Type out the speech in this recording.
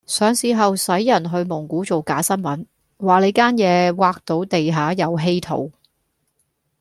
上市後洗人去蒙古做假新聞，話你間野挖到地下有稀土